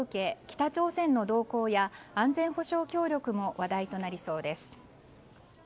北朝鮮の動向や安全保障協力も話題となりそうです。